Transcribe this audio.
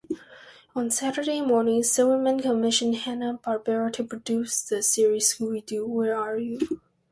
On Saturday mornings, Silverman commissioned Hanna-Barbera to produce the series Scooby-Doo, Where Are You!